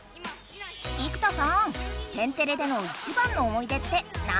生田さん！